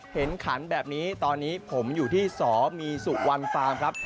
ขันแบบนี้ตอนนี้ผมอยู่ที่สมีสุวรรณฟาร์มครับ